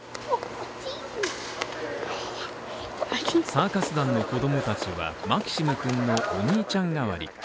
サーカス団の子供たちはマキシム君のお兄ちゃんがわり。